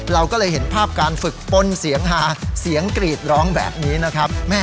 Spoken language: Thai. เราก็เลยเห็นภาพการฝึกป้นเสียงฮาเสียงกรีดร้องแบบนี้นะครับ